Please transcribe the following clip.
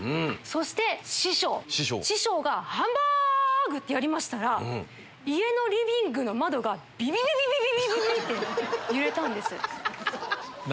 そして師匠がハンバーグ！ってやりましたら家のリビングの窓がビビビビビ！って揺れたんです。